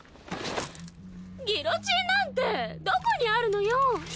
ギロチンなんてどこにあるのよ！